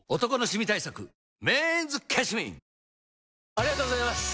ありがとうございます！